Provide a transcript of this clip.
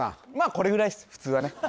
これぐらいです普通はね